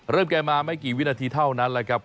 เริ่มแก่มาไม่กี่วินาทีเท่านั้นนะครับ